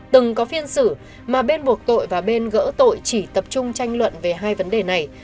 từng có phiên xử mà bên buộc tội và bên gỡ tội chỉ tập trung tranh luận về hai vấn đề này